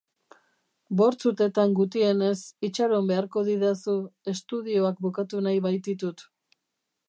Bortz urtetan gutienez itxaron beharko didazu, estudioak bukatu nahi baititut...